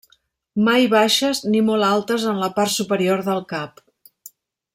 Mai baixes, ni molt altes en la part superior del cap.